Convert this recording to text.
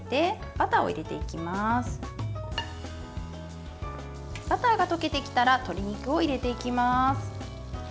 バターが溶けてきたら鶏肉を入れていきます。